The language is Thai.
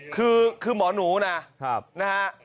คือหมอหนูนะนะฮะ